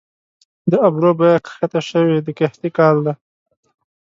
د ابرو بیه کښته شوې د قحطۍ کال دي